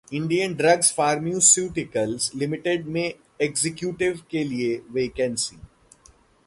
Indian drugs pharmaceuticals limited में executive के लिए वैकेंसी